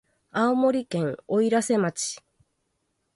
青森県おいらせ町